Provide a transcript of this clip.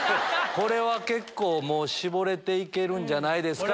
これは結構絞れて行けるんじゃないですか？